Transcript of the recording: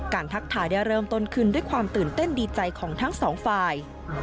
ทักทายได้เริ่มต้นขึ้นด้วยความตื่นเต้นดีใจของทั้งสองฝ่าย